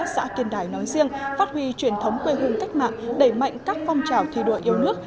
xã kiên đài nói riêng phát huy truyền thống quê hương cách mạng đẩy mạnh các phong trào thi đua yêu nước